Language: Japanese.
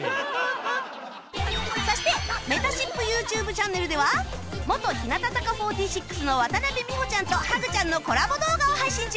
そしてめたしっぷ ＹｏｕＴｕｂｅ チャンネルでは元日向坂４６の渡邉美穂ちゃんとハグちゃんのコラボ動画を配信中